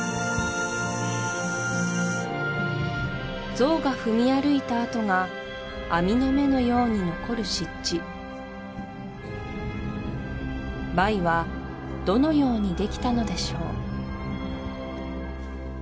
ゾウが踏み歩いた跡が網の目のように残る湿地バイはどのようにできたのでしょう？